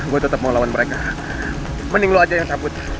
gue tetap mau lawan mereka mending lo aja yang takut